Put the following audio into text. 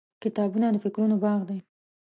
• کتابونه د فکرونو باغ دی.